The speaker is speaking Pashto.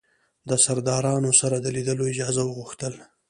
د سردارانو سره د لیدلو اجازه وغوښتل.